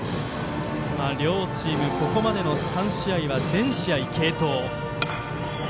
両チームここまでの３試合は全試合、継投。